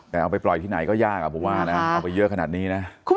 แต่เอาไปปล่อยที่ไหนก็ยากผมว่านะเอาไปเยอะขนาดนี้นะ